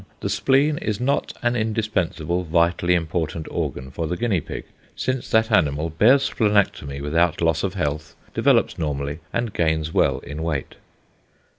The spleen is not an indispensable, vitally important organ for the guinea pig, since that animal bears splenectomy without loss of health, developes normally, and gains well in weight.